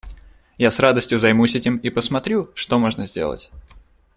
Я с радостью займусь этим и посмотрю, что можно сделать.